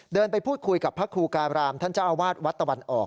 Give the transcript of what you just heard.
ไปพูดคุยกับพระครูการามท่านเจ้าอาวาสวัดตะวันออก